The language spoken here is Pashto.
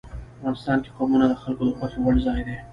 افغانستان کې قومونه د خلکو د خوښې وړ ځای دی.